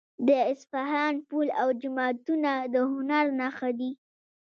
د اصفهان پل او جوماتونه د هنر نښه دي.